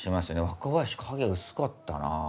「若林影薄かったな」。